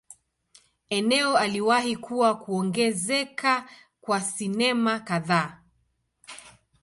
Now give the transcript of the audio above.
Eneo aliwahi kuwa kuongezeka kwa sinema kadhaa.